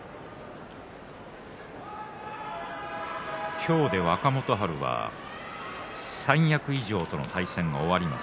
今日で若元春は三役以上との対戦を終わります。